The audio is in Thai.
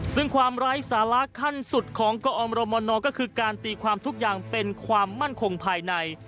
ซึ่งความไร้สาระขั้นสุดของกอมรมนก็คือการตีความทุกอย่างเป็นความมั่นคงภายใน